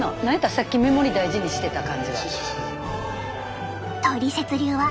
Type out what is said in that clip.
さっき目盛り大事にしてた感じは。